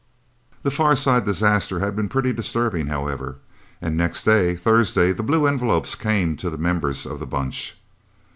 The Far Side disaster had been pretty disturbing, however. And next day, Thursday, the blue envelopes came to the members of the Bunch.